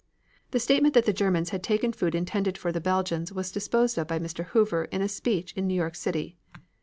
The statement that Germans had taken food intended for the Belgians was disposed of by Mr. Hoover in a speech in New York City.